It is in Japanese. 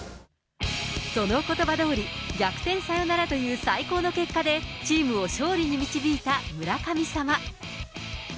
そのことばどおり、逆転サヨナラという最高の結果で、チームを勝利に導いた村神様。